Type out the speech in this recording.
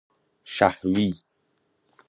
شهوی